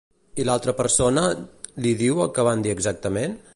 I l'altra persona, li diu el que van dir exactament?